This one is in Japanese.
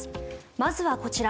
まずはこちら。